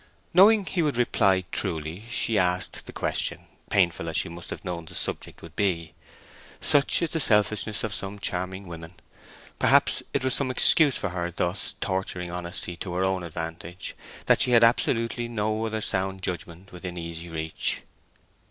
Knowing he would reply truly she asked the question, painful as she must have known the subject would be. Such is the selfishness of some charming women. Perhaps it was some excuse for her thus torturing honesty to her own advantage, that she had absolutely no other sound judgment within easy reach.